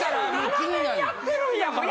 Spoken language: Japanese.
２７年やってるんやから。